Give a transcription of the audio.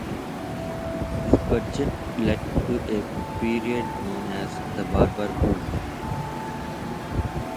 This budget led to a period known as "The Barber Boom".